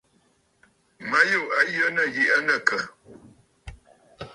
Ma yû a yə nɨ̂ yiʼi aa nɨ̂ àkə̀?